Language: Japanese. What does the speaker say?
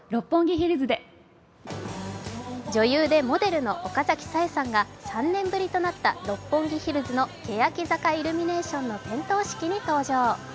女優でモデルの岡崎紗絵さんが３年ぶりとなった六本木ヒルズのけやき坂イルミネーションの点灯式に登場。